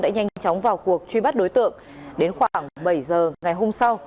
đã nhanh chóng vào cuộc truy bắt đối tượng đến khoảng bảy giờ ngày hôm sau